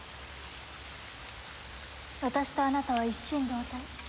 私とあなたは一心同体。